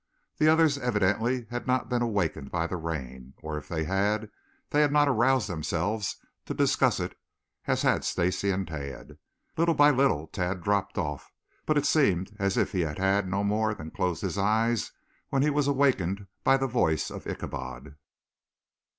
The others evidently had not been awakened by the rain, or, if they had, they had not aroused themselves to discuss it as had Stacy and Tad. Little by little Tad dropped off, but it seemed as if he had no more than closed his eyes when he was awakened by the voice of Ichabod.